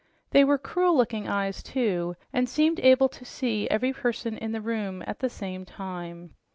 They were cruel looking eyes, too, and seemed able to see every person in the room at the same time.